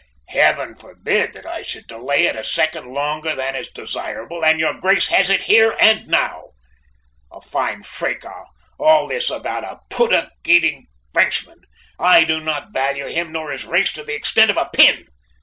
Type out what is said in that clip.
"Heaven forbid that I should delay it a second longer than is desirable, and your Grace has it here and now! A fine fracas all this about a puddock eating Frenchman! I do not value him nor his race to the extent of a pin.